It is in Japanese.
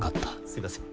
すいません。